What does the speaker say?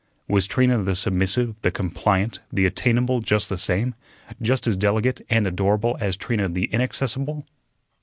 Was Trina the submissive, the compliant, the attainable just the same, just as delicate and adorable as Trina the inaccessible?